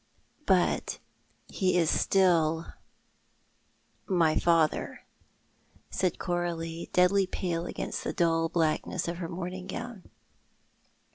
" But he is still — my fatlicr,"said Coralic, deadly pale against the dull blackness of her mourning gown.